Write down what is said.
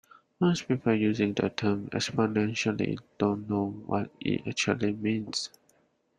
Most people using the term "exponentially" don't know what it actually means.